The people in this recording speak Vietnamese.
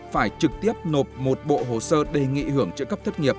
phải trực tiếp nộp một bộ hồ sơ đề nghị hưởng trợ cấp thất nghiệp